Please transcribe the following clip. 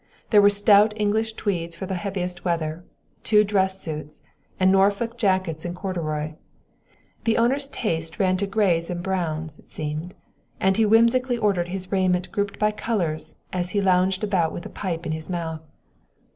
There were stout English tweeds for the heaviest weather, two dress suits, and Norfolk jackets in corduroy. The owner's taste ran to grays and browns, it seemed, and he whimsically ordered his raiment grouped by colors as he lounged about with a pipe in his mouth.